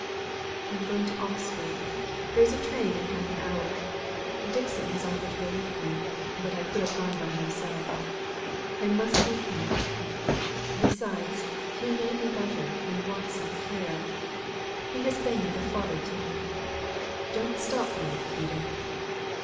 "I am going to Oxford. There is a train in half an hour. Dixon has offered to go with me, but I could have gone by myself. I must see him again. Besides, he may be better, and want some care. He has been like a father to me. Don't stop me, Edith."